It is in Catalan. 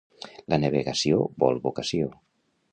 La navegació vol vocació.